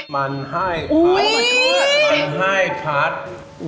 มันให้พัฒน์